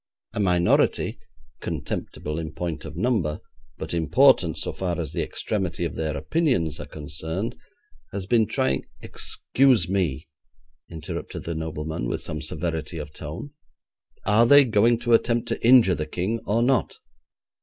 A minority, contemptible in point of number, but important so far as the extremity of their opinions are concerned, has been trying ' 'Excuse me,' interrupted the nobleman, with some severity of tone, 'are they going to attempt to injure the King or not?'